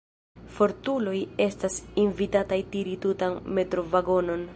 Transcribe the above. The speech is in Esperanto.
Fortuloj estis invitataj tiri tutan metrovagonon.